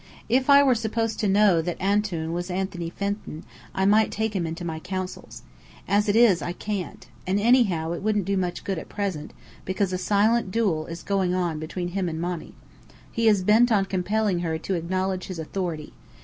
If I were supposed to know that Antoun was Anthony Fenton, I might take him into my counsels. As it is, I can't. And anyhow, it wouldn't do much good, at present, because a silent duel is going on between him and Monny. He is bent on compelling her to acknowledge his authority.